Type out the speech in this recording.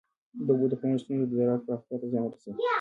د اوبو د کمښت ستونزه د زراعت پراختیا ته زیان رسوي.